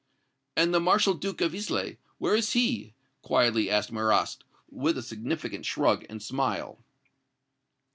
"And the Marshal Duke of Islay where is he?" quietly asked Marrast, with a significant shrug and smile.